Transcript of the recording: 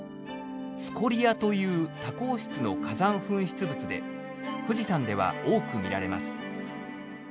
「スコリア」という多孔質の火山噴出物で富士山では多く見られます。